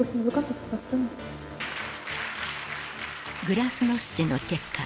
グラスノスチの結果